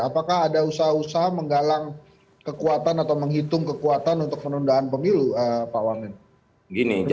apakah ada usaha usaha menggalang kekuatan atau menghitung kekuatan untuk penundaan pemilu pak wamen